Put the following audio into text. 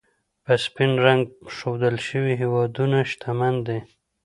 په سپین رنګ ښودل شوي هېوادونه، شتمن دي.